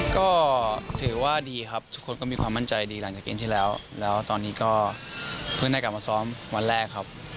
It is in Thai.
ก็ถือว่าดีครับทุกคนก็มีความมั่นใจดีหลังจากเกมที่แล้วแล้วตอนนี้ก็เพิ่งได้กลับมาซ้อมวันแรกครับ